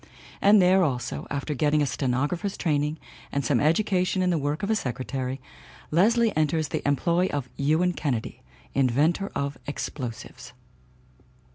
And there, also, after getting a stenographer's training and some education in the work of a secretary, Leslie enters the employ of Ewan Kennedy, inventor of explosives.